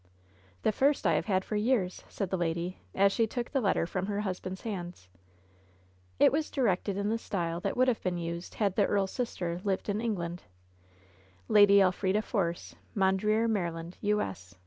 "The first I have had for years," said the lady, as she took the letter from her husband's hands. It was directed in the style that would have been used had the earl's sister lived in England : "Laby Elfrida Fobcb, "Mondreer, Maryland, U. S."